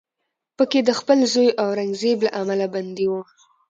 په کې د خپل زوی اورنګزیب له امله بندي و